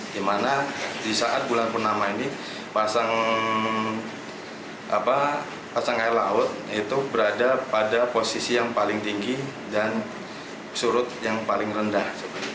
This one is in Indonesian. di mana di saat bulan purnama ini pasang air laut itu berada pada posisi yang paling tinggi dan surut yang paling rendah